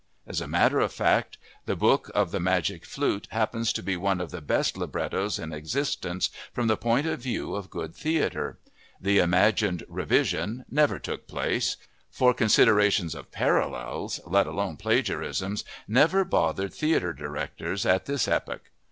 As a matter of fact, the book of The Magic Flute happens to be one of the best librettos in existence from the point of view of good theater. The imagined "revision" never took place, for considerations of "parallels," let alone plagiarisms, never bothered theater directors at this epoch.